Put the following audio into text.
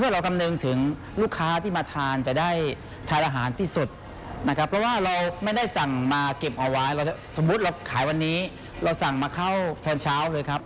สมมุติเราขายวันนี้เราสั่งมาเข้าตอนเช้าเลยครับ